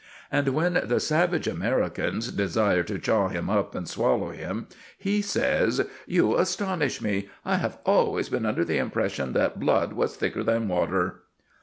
And when the savage Americans desire to chaw him up and swallow him, he says, "You astonish me. I have always been under the impression that blood was thicker than water."